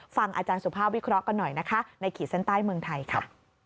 ฟังอาจารย์สุภาพวิเคราะห์กันหน่อยนะคะในขีดเส้นใต้เมืองไทยค่ะ